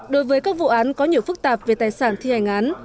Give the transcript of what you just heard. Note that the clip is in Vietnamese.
đối với các vụ án có nhiều phức tạp về tài sản thi hành án